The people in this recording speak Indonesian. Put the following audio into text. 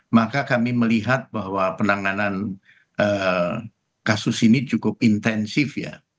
maka kami melihat bahwa penanganan kasus ini cukup intensif ya